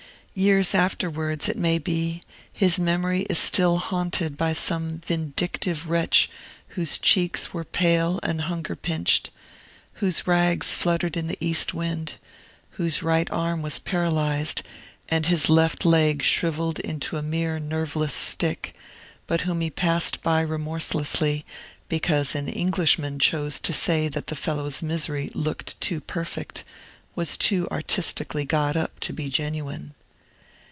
Years afterwards, it may be, his memory is still haunted by some vindictive wretch whose cheeks were pale and hunger pinched, whose rags fluttered in the east wind, whose right arm was paralyzed and his left leg shrivelled into a mere nerveless stick, but whom he passed by remorselessly because an Englishman chose to say that the fellow's misery looked too perfect, was too artistically got up, to be genuine.